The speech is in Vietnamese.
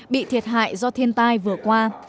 bị thiệt hại do thiên tai vừa qua